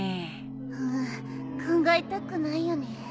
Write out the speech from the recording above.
うん考えたくないよね。